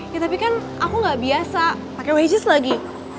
ya tapi kan aku gak biasa pake wajis lagi